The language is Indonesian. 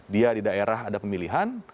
dia di daerah ada pemilihan